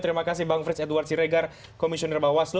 terima kasih bang frits eduard ciregar komisioner bang waslo